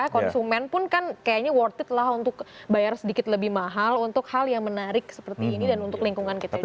konsumen pun kan kayaknya worth it lah untuk bayar sedikit lebih mahal untuk hal yang menarik seperti ini dan untuk lingkungan kita juga